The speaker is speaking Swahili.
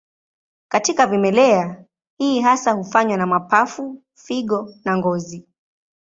Katika vimelea, hii hasa hufanywa na mapafu, figo na ngozi.